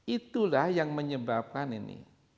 itulah yang menyebabkan ini